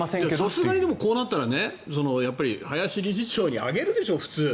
さすがにこうなったら林理事長に上げるでしょう普通。